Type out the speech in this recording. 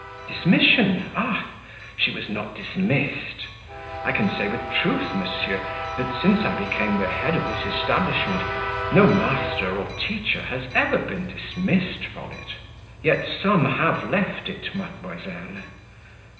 "Dismission? Ah! she was not dismissed; I can say with truth, monsieur, that since I became the head of this establishment no master or teacher has ever been dismissed from it." "Yet some have left it, mademoiselle?"